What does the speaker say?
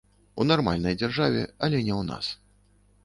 У нармальнай дзяржаве, але не ў нас.